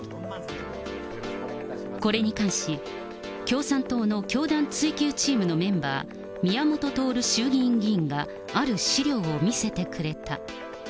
これに関し、共産党の教団追及チームのメンバー、宮本徹衆議院議員がある資料を見せてくれた。